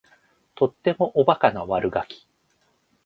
とってもおバカな悪ガキ